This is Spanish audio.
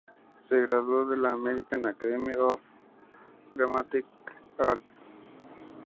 Se graduó de la American Academy of Dramatic Arts.